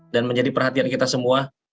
dan menjadi perhatian kita semua